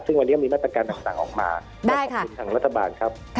ซึ่งมีมาตรการต่างมาแล้วขอบคุณทางรัฐบาลครับ